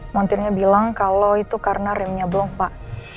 montirnya bilang kalau itu karena remnya blong pak